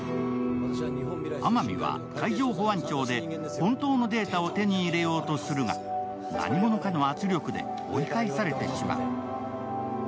天海は海上保安庁で本当のデータを手に入れようとするが何者かの圧力で追い返されてしまう。